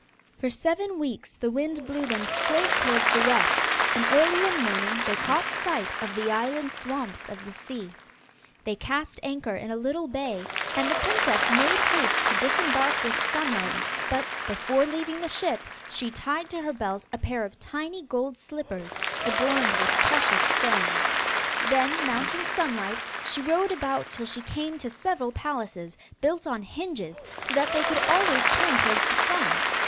For seven weeks the wind blew them straight towards the west, and early one morning they caught sight of the island swamps of the sea. They cast anchor in a little bay, and the princess made haste to disembark with Sunlight, but, before leaving the ship, she tied to her belt a pair of tiny gold slippers, adorned with precious stones. Then mounting Sunlight, she rode about till she came to several palaces, built on hinges, so that they could always turn towards the sun.